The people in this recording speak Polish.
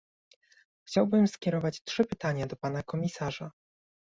Chciałbym skierować trzy pytania do pana komisarza